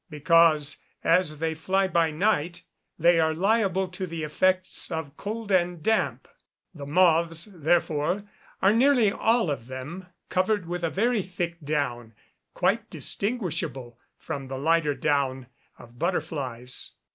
_ Because, as they fly by night, they are liable to the effects of cold and damp. The moths, therefore, are nearly all of them covered with a very thick down, quite distinguishable from the lighter down of butterflies.